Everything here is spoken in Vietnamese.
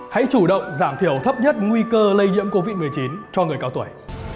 hãy chủ động giảm thiểu thấp nhất nguy cơ lây nhiễm covid một mươi chín cho người cao tuổi